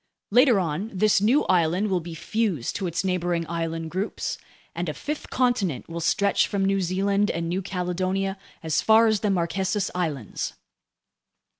Later on, this new island will be fused to its neighboring island groups, and a fifth continent will stretch from New Zealand and New Caledonia as far as the Marquesas Islands.